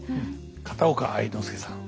片岡愛之助さん